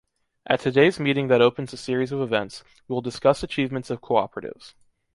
At today's meeting that opens a series of events, we will discuss achievements of cooperatives.